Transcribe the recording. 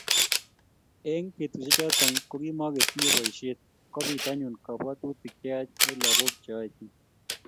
Eng betusiechoto kokimokotinyei boiset kobit anyun kabwatutik cheyach eng lagok che oechin